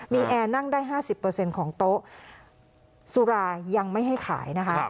มีแอร์นั่งได้๕๐ของโต๊ะสุรายังไม่ให้ขายนะคะ